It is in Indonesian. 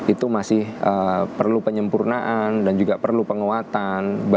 itu masih perlu penyempurnaan dan juga perlu penguatan